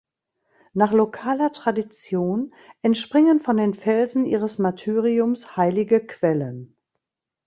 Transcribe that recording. Nach lokaler Tradition entspringen von den Felsen ihres Martyriums heilige Quellen.